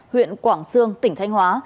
huyện quảng sương tỉnh thanh hóa